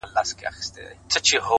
هوښیار انسان د اورېدو فرصت نه بایلي،